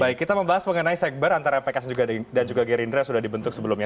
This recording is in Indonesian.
baik kita membahas mengenai sekber antara pks dan juga gerindra yang sudah dibentuk sebelumnya